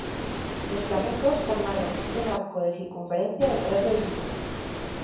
Los flamencos formaron un arco de circunferencia detrás del río.